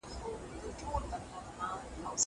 که وخت وي، اوبه پاکوم.